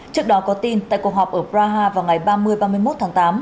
trước đó có tin tại cuộc họp ở praha vào ngày ba mươi ba mươi một tháng tám